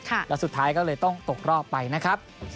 แล้วสุดท้ายก็เลยต้องตกรอบไปนะครับ